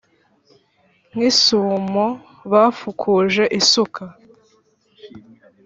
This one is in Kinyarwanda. nk’isumo bafukuje isuka